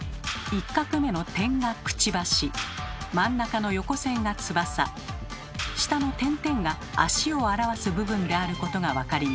一画目の点がくちばし真ん中の横線が翼下の点々が足を表す部分であることが分かります。